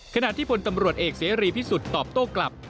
ขณะที่พลตำรวจเอกเสรีพิสุทธิ์ตอบโต้กลับ